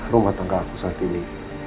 rumah tangga aku saat ini